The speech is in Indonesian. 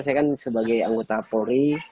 saya kan sebagai anggota polri